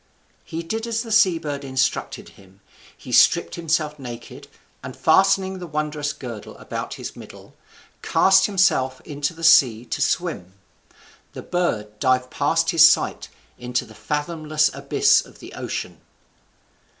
He did as the sea bird instructed him; he stripped himself naked, and, fastening the wondrous girdle about his middle, cast himself into the seas to swim. The bird dived past his sight into the fathomless abyss of the ocean.